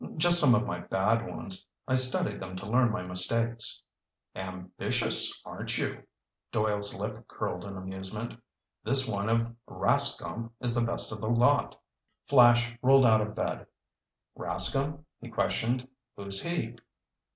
"Just some of my bad ones. I study them to learn my mistakes." "Ambitious, aren't you?" Doyle's lip curled in amusement. "This one of Rascomb is the best of the lot." Flash rolled out of bed. "Rascomb?" he questioned. "Who's he?"